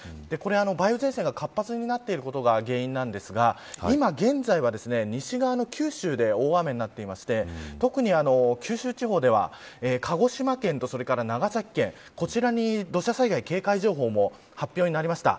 梅雨前線が活発になってることが原因なんですが今、現在は西側の九州で大雨になっていて特に九州地方では鹿児島県と長崎県こちらに土砂災害警戒情報も発表になりました。